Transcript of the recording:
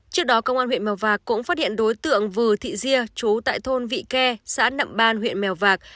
trước đó công an huyện mèo vạc cũng phát hiện đối tượng vừa thị diê chú tại thôn vị ke xã nậm ban huyện mèo vạc